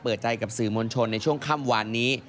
เปิดใจกับสื่อมวลชนในช่วงค่ำวานนี้